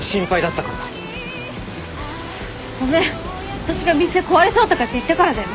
私が店壊れそうとかって言ったからだよね。